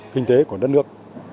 kinh tế của đất nước